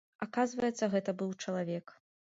Аказваецца, гэта быў чалавек.